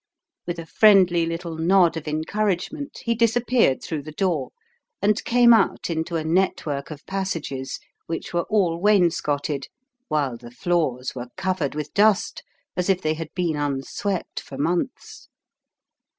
With a friendly little nod of encouragement he disappeared through the door and came out into a network of passages which were all wainscoted, while the floors were covered with dust, as if they had been unswept for months.